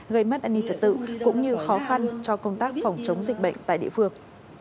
gây mất an ninh trật tự cũng như khó khăn cho công tác phòng chống dịch bệnh tại địa phương